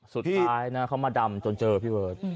สุดท้ายนะเขามาดำจนเจอพี่เบิร์ต